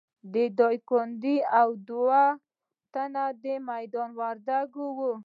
د ډایکنډي او دوه تنه د میدان وردګو وو.